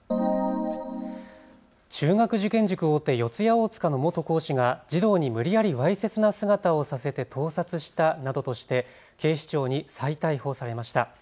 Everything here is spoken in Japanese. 中学受験塾大手、四谷大塚の元講師が児童に無理やりわいせつな姿をさせて盗撮したなどとして警視庁に再逮捕されました。